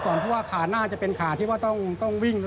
เพราะว่าขาน่าจะเป็นขาที่ว่าต้องวิ่ง